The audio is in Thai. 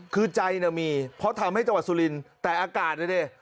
คือใจมีเพราะทำให้จังหวัดสุรินทร์แต่อากาศนะดิ